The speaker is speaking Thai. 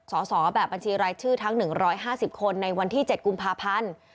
สอบแบบบัญชีรายชื่อทั้ง๑๕๐คนในวันที่๗กุมภาพันธ์